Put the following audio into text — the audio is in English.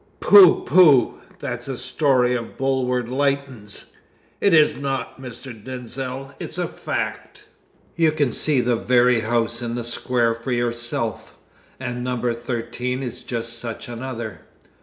"Pooh! Pooh! That's a story of Bulwer Lytton's." "It is not, Mr. Denzil it's a fact. You can see the very house in the square for yourself, and No. 13 is just such another."